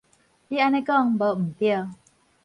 你按呢講無毋著